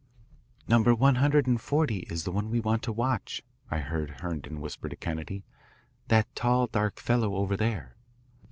"Number 140 is the one we want to watch," I heard Herndon whisper to Kennedy. "That tall dark fellow over there."